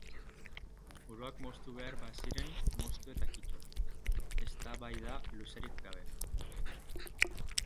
Buruak moztu behar baziren, moztu eta kito, eztabaida luzerik gabe.